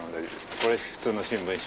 これ普通の新聞紙。